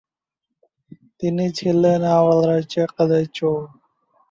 তিনি ছিলেন তাঁর বাবা-মায়ের প্রথম কন্যা।